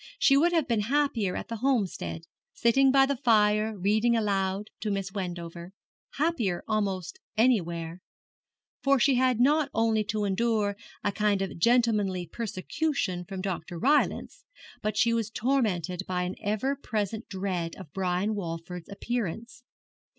She would have been happier at the Homestead, sitting by the fire reading aloud to Miss Wendover happier almost anywhere for she had not only to endure a kind of gentlemanly persecution from Dr. Rylance, but she was tormented by an ever present dread of Brian Walford's appearance.